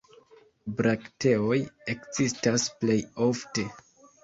Brakteoj ekzistas plej ofte.